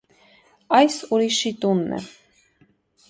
այս ուրիշի տունն է…